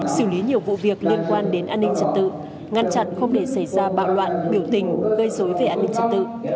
xử lý nhiều vụ việc liên quan đến an ninh trật tự ngăn chặn không để xảy ra bạo loạn biểu tình gây dối về an ninh trật tự